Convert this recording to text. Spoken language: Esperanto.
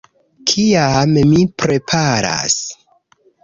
- Kiam mi preparas